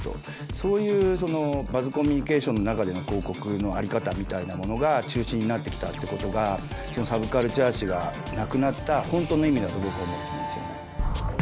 そういうＢｕｚｚＣｏｍｍｕｎｉｃａｔｉｏｎの中での広告の在り方みたいなものが中心になってきたって事がサブカルチャー誌がなくなった本当の意味だと僕は思ってますよね。